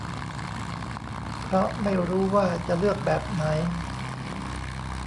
เพราะไม่รู้ว่าจะเลือกแบบไหน